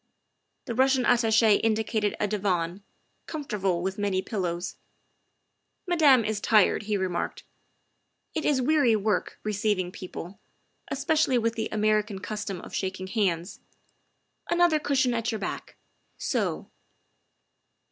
The Russian Attache indicated a divan, comfortable with many pillows. " Madame is tired," he remarked. "It is weary work, receiving people, especially with the American custom of shaking hands. Another cushion at your back so.